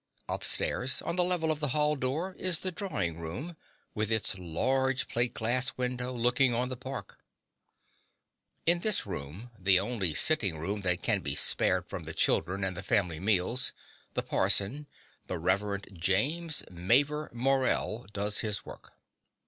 Upstairs, on the level of the hall door, is the drawing room, with its large plate glass window looking on the park. In this room, the only sitting room that can be spared from the children and the family meals, the parson, the Reverend James Mavor Morell does his work.